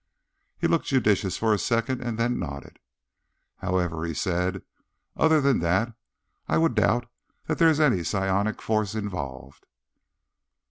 He looked judicious for a second, and then nodded. "However," he said, "other than that, I would doubt that there is any psionic force involved."